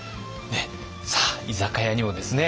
さあ居酒屋にもですね